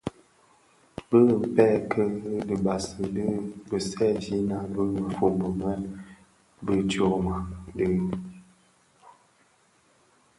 Bi mpërkë dibasi di bisèèdina bi mëfombi më bi tyoma di.